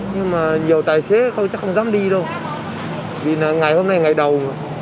nhưng mà nhiều tài xế chắc không dám đi đâu vì ngày hôm nay là ngày đầu